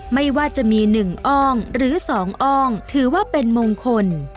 ไม่ว่าจะมี๑อ้องหรือ๒อ้องถือว่าเป็นมงคล